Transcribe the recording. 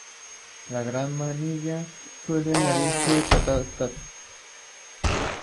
Esta especie poco conocida está en peligro de extinción.